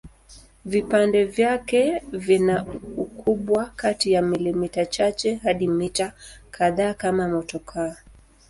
Vipande vyake vina ukubwa kati ya milimita chache hadi mita kadhaa kama motokaa.